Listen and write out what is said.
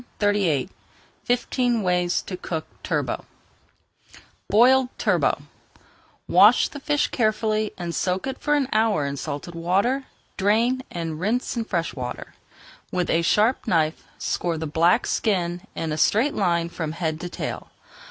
[Page 429] FIFTEEN WAYS TO COOK TURBOT BOILED TURBOT Wash the fish carefully and soak it for an hour in salted water, drain, and rinse in fresh water. With a sharp knife score the black skin in a straight line from head to tail.